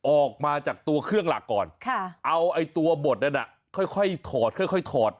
ออกมาจากตัวเครื่องหลักก่อนเอาไอ้ตัวบทนั้นค่อยถอดค่อยถอด